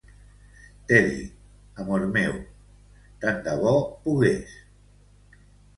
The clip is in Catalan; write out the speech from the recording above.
Teddy, amor meu, tant de bo pogués!